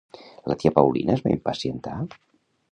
La tia Paulina es va impacientar?